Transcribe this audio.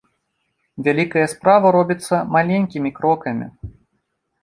Вялікая справа робіцца маленькімі крокамі.